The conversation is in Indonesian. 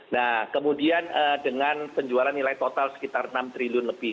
nah kemudian dengan penjualan nilai total sekitar enam triliun lebih